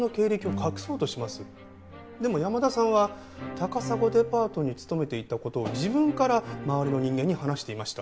でも山田さんは高砂デパートに勤めていた事を自分から周りの人間に話していました。